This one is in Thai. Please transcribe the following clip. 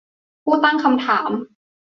ผู้ตั้งคำถาม